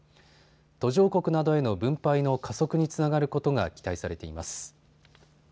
途上国などへの分配の加速につながることが期待されています。